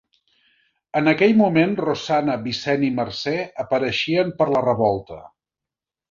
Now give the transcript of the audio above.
En aquell moment, Rosanna, Vicent i Mercè apareixien per la revolta.